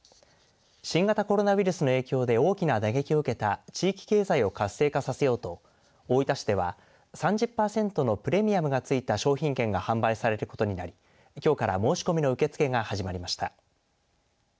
新型コロナウイルスの影響で大きな打撃を受けた地域経済を活性化させようと大分市では３０％のプレミアムが付いた商品券が販売されることになりきょうから申し込みの受け付けが始まりました。